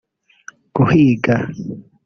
guhiga